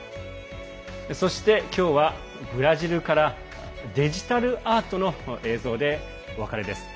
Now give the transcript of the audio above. そして今日はブラジルからデジタルアートの映像でお別れです。